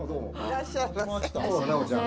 いらっしゃいませ。